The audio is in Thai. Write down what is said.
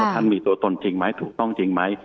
ท่านมีตัวตนจริงไหมถูกต้องจริงไหม